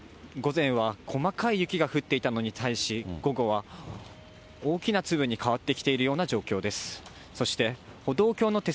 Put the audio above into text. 午前は細かい雪が降っていたのに対し、午後は大きな粒に変わってきているような状況です。